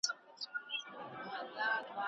د استقامت لرل انسان د امتحانونو په وخت کې قوي کوي.